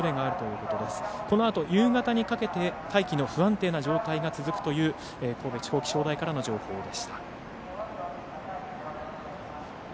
このあと、夕方にかけて大気の不安定な状況が続くという神戸地方気象台からの情報でした。